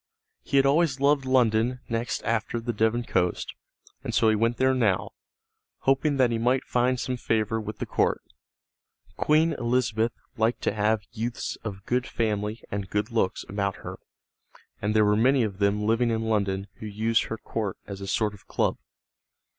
He had always loved London next after the Devon coast, and so he went there now, hoping that he might find some favor with the court. Queen Elizabeth liked to have youths of good family and good looks about her, and there were many of them living in London who used her court as a sort of club.